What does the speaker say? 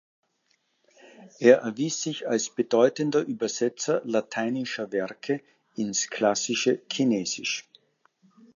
Er erwies sich als bedeutendeter Übersetzer lateinischer Werke ins klassische Chinesisch.